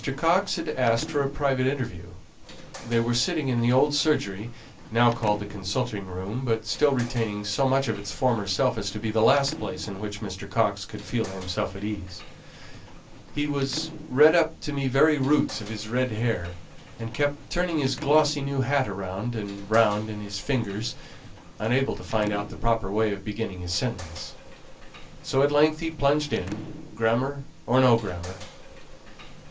Coxe had asked for a private interview; they were sitting in the old surgery, now called the consulting room, but still retaining so much of its former self as to be the last place in which Mr. Coxe could feel himself at ease. He was red up to the very roots of his red hair, and kept turning his glossy new hat round and round in his fingers, unable to find out the proper way of beginning his sentence, so at length he plunged in, grammar or no grammar.